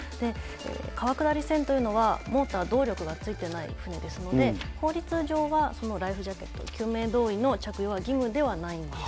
川下り船というのは、モーター、動力がついてない船ですので、法律上はライフジャケット、救命胴衣の着用は義務ではないんです。